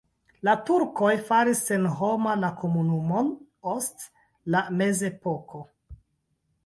La turkoj faris senhoma la komunumon ost la mezepoko.